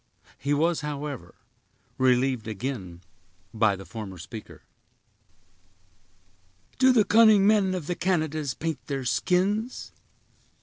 He was, however, relieved again by the former speaker. "Do the cunning men of the Canadas paint their skins?"